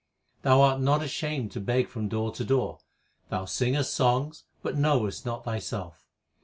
Thou art not ashamed to beg from door to door ; Thou singest songs, but knowest not thyself.